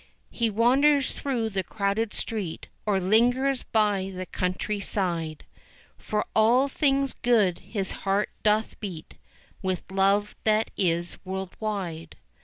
He wanders through the crowded street, Or lingers by the country side, For all things good his heart doth beat With love that is world wide.